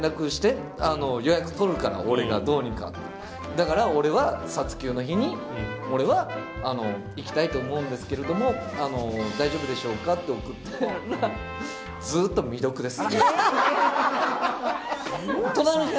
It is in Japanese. だから俺は撮影の日に行きたいと思うんですけど大丈夫でしょうかって送ったらずっと未読です。